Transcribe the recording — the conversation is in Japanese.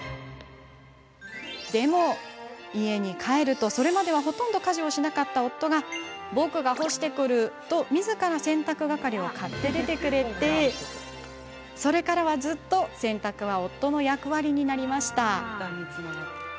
でも家に帰ると、それまではほとんど家事をしなかった夫が「僕が干してくる」とみずから洗濯係を買って出てくれそれからずっと洗濯は夫の役割になりました。